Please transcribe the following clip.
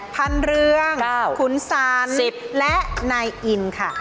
พันเรืองแก้วฮุณสัญสิบและนายอินค่ะ